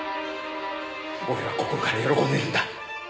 俺は心から喜んでるんだ。